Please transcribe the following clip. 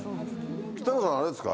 北野さん、あれですか。